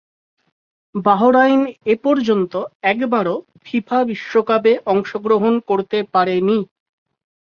Bahrain এপর্যন্ত একবারও FIFA বিশ্বকাপে অংশগ্রহণ করতে পারেনি।